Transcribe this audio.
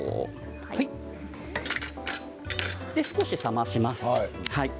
少し冷まします。